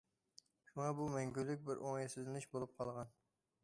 شۇڭا بۇ مەڭگۈلۈك بىر ئوڭايسىزلىنىش بولۇپ قالغان.